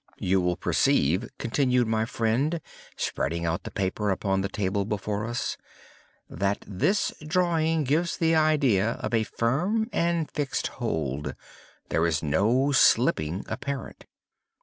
"You will perceive," continued my friend, spreading out the paper upon the table before us, "that this drawing gives the idea of a firm and fixed hold. There is no slipping apparent.